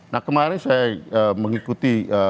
nah kemarin saya mengikuti